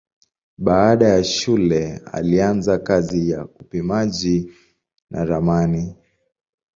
Baada ya shule alianza kazi ya upimaji na ramani.